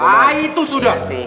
ah itu sudah